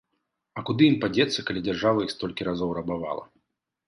А куды ім падзецца, калі дзяржава іх столькі разоў рабавала!